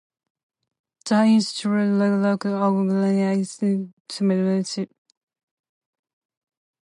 The Institute regularly organised scientific symposia.